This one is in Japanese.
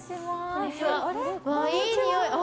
いいにおい！